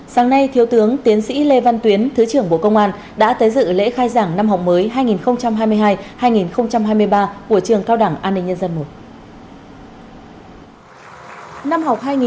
sáng nay thiếu tướng tiến sĩ lê văn tuyến thứ trưởng bộ công an đã tới dự lễ khai giảng năm học mới hai nghìn hai mươi hai hai nghìn hai mươi ba của trường cao đảng an ninh nhân dân i